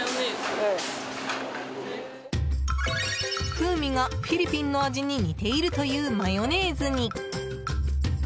風味がフィリピンの味に似ているというマヨネーズに。